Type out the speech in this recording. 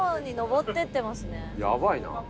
やばいな。